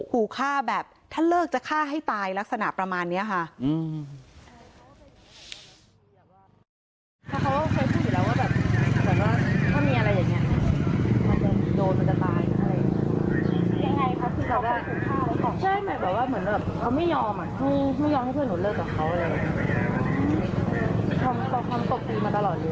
ขู่ฆ่าแบบถ้าเลิกจะฆ่าให้ตายลักษณะประมาณนี้ค่ะ